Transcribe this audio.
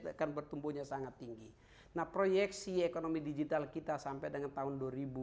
akan bertumbuhnya sangat tinggi nah proyeksi ekonomi digital kita sampai dengan tahun dua ribu dua puluh